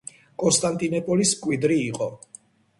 კონსტანტინოპოლის მკვიდრი იყო.